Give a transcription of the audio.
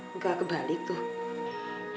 enggak kebalik tuh